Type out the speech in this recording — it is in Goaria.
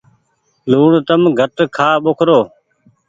لوڻ تم گھٽ کآ ٻوکرو ۔